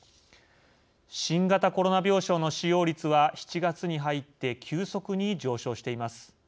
新型コロナ病床の使用率は７月に入って急速に上昇しています。